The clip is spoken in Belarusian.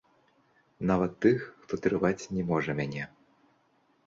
Нават тых, хто трываць не можа мяне.